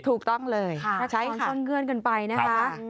ถูกต้องเลยถ้าใช้ต้นเงื่อนกันไปนะคะ